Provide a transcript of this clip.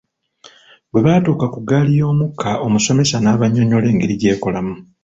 Bwe baatuuka ku ggaali y’omukka omusomesa n'abannyonnyola engeri gy'ekolamu.